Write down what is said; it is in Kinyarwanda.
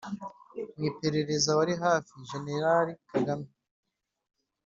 mu iperereza wari hafi jenerali kagame